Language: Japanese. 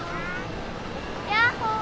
ヤッホー！